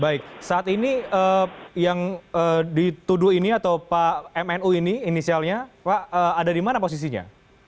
baik saat ini yang dituduh ini atau pak mnu ini inisialnya pak ada di mana posisinya